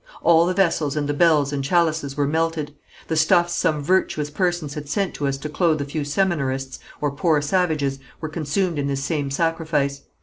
All the vessels and the bells and chalices were melted; the stuffs some virtuous persons had sent to us to clothe a few seminarists, or poor savages, were consumed in this same sacrifice.